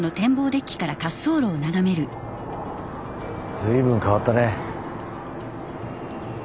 随分変わったね。